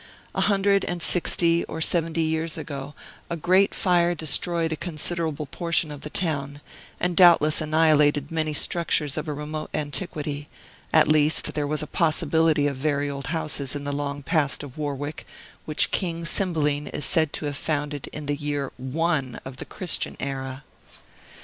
A hundred and sixty or seventy years ago, a great fire destroyed a considerable portion of the town, and doubtless annihilated many structures of a remote antiquity; at least, there was a possibility of very old houses in the long past of Warwick, which King Cymbeline is said to have founded in the year ONE of the Christian era!